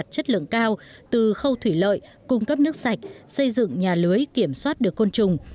chất lượng cao từ khâu thủy lợi cung cấp nước sạch xây dựng nhà lưới kiểm soát được côn trùng